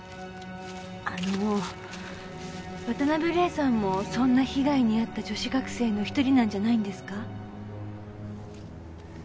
あの渡辺玲さんもそんな被害にあった女子学生の一人なんじゃないんですか？